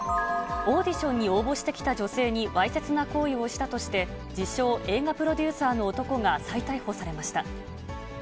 オーディションに応募してきた女性にわいせつな行為をしたとして、自称映画プロデューサーの男が再逮捕されました。